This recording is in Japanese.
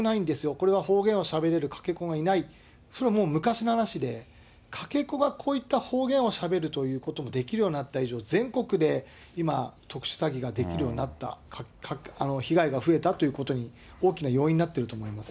これは方言はしゃべれるかけ子がいない、それはもう昔の話で、かけ子がこういった方言をしゃべるということもできるようになった以上、全国で今、特殊詐欺ができるようになった、被害が増えたということに大きな要因になってると思いますね。